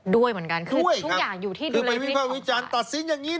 ด้วยเหมือนกันคือทุกอย่างอยู่ที่ดูแลวิธีของศาล